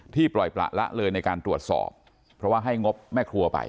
ปล่อยประละเลยในการตรวจสอบเพราะว่าให้งบแม่ครัวไป